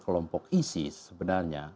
kelompok isis sebenarnya